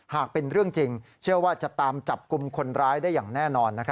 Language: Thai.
หากเป็นเรื่องจริงเชื่อว่าจะตามจับกลุ่มคนร้ายได้อย่างแน่นอน